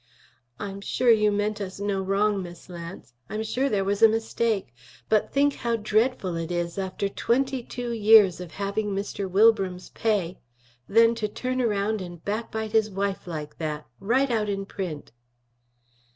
"I'm sure you meant us no wrong, Miss Lance; I'm sure there was a mistake. But think how dreadful it is, after twenty two years of having Mr. Wilbram's pay, then to turn around and backbite his wife like that, right out in print!"